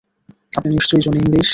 আপনি নিশ্চয়ই Johnny English.